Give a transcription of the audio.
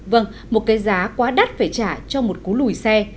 vâng một cái giá quá đắt phải trả cho một cú lùi xe